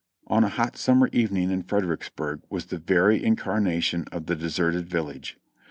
On a hot summer evening Fredericksburg was the very in carnation of the "Deserted Village."